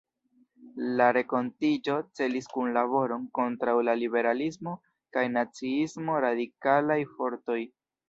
La renkontiĝo celis kunlaboron kontraŭ la liberalismo kaj naciismo, radikalaj fortoj.